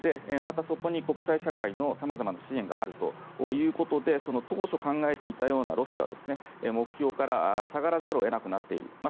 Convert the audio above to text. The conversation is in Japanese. またそこに国際社会のさまざまな支援があるということで当初考えていたような目標からロシアは下がらざるを得なくなっている。